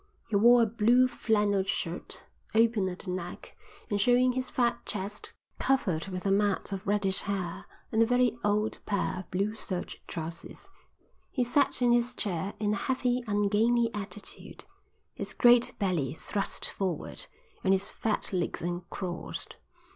He wore a blue flannel shirt, open at the neck and showing his fat chest covered with a mat of reddish hair, and a very old pair of blue serge trousers. He sat in his chair in a heavy ungainly attitude, his great belly thrust forward and his fat legs uncrossed.